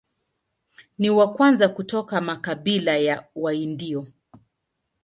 Ni wa kwanza kutoka makabila ya Waindio.